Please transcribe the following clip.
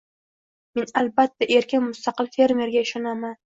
—Men, albatta, erkin, mustaqil fermerga ishonaman.